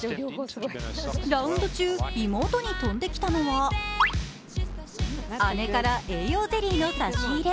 ラウンド中、妹に飛んできたのは姉から栄養ゼリーの差し入れ。